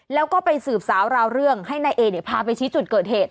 แล้วก็ไปสืบสาวราวเรื่องให้นายเอเนี่ยพาไปชี้จุดเกิดเหตุ